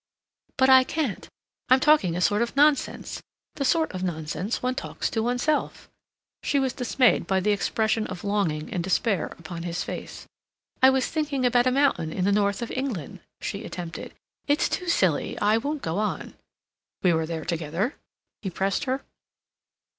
"But I can't—I'm talking a sort of nonsense—the sort of nonsense one talks to oneself." She was dismayed by the expression of longing and despair upon his face. "I was thinking about a mountain in the North of England," she attempted. "It's too silly—I won't go on." "We were there together?" he pressed her.